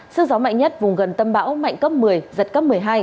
sức gió mạnh nhất vùng gần tâm bão mạnh cấp một mươi giật cấp một mươi hai